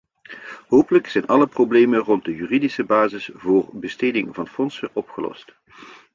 Hopelijk zijn alle problemen rond de juridische basis voor besteding van fondsen opgelost.